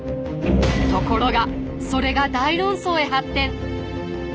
ところがそれが大論争へ発展。